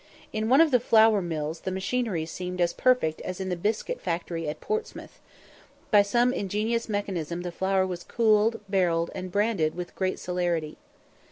In one of the flour mills the machinery seemed as perfect as in the biscuit factory at Portsmouth by some ingenious mechanism the flour was cooled, barrelled, and branded with great celerity.